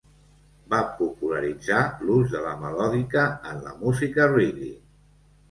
Va popularitzar l'ús de la melòdica en la música reggae.